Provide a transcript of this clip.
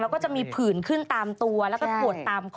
แล้วก็จะมีผื่นขึ้นตามตัวแล้วก็ปวดตามคอ